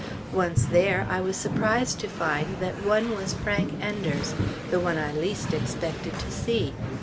Once there, I was surprised to find that one was Frank Enders, the one I least expected to see.